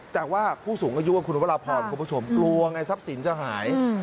แต่ว่าผู้สูงอายุคุณวรพรคุณผู้ชมกลัวไงทรัพย์สินจะหาย